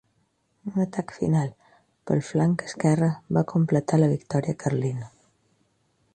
Un atac final pel flanc esquerre va completar la victòria carlina.